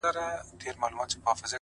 • صدقه دي تر تقوا او تر سخا سم ـ